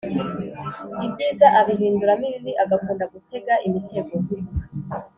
Ibyiza abihinduramo ibibi, agakunda gutega imitego,